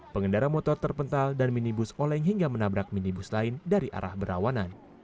pengendara motor terpental dan minibus oleng hingga menabrak minibus lain dari arah berawanan